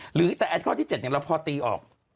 หรือ๑๐ข้อที่๗เนี่ยเราพอตีออก